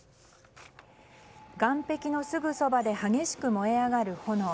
岸壁のすぐそばで激しく燃え上がる炎。